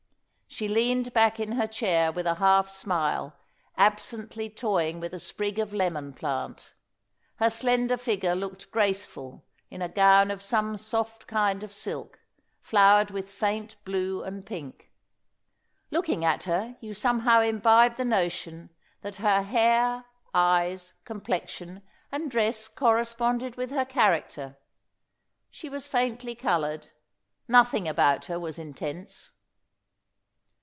She leaned back in her chair with a half smile, absently toying with a sprig of lemon plant. Her slender figure looked graceful in a gown of some soft kind of silk, flowered with faint blue and pink. Looking at her, you somehow imbibed the notion that her hair, eyes, complexion, and dress corresponded with her character. She was faintly coloured. Nothing about her was intense.